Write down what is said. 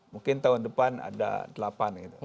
mungkin tahun depan ada delapan gitu